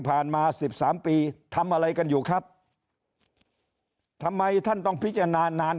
มาสิบสามปีทำอะไรกันอยู่ครับทำไมท่านต้องพิจารณานาน